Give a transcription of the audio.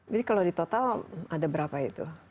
jadi kalau di total ada berapa itu